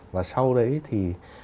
và sau đấy thì